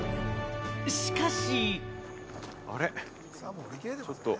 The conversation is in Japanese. しかし。